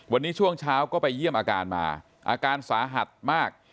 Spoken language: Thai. วันนี้ช่วงเช้าก็ไปเยี่ยมอาการมาอาการสาหัสมาก